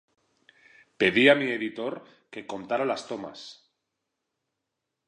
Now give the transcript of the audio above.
Pedí a mi editor que contara las tomas.